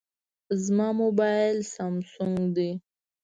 زما موبایل سامسونګ دی.